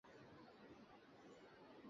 আমারা মাগীদের ঠাপাতে শিকাগো যাচ্ছি।